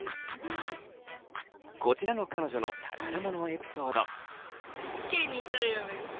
こちらの彼女の宝物のエピソード。